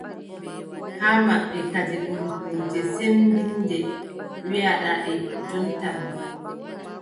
Haa maɓɓe kadi ɗum kuuje sembinnde wiʼɗaa ɓe jonta ɗo.